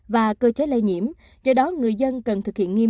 và cơ chế lây nhiễm do đó người dân cần thực hiện nghiêm năm k